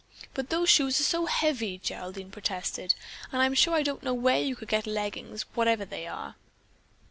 "But those shoes are so heavy," Geraldine protested, "and I'm sure I don't know where you could get leggins, whatever they are."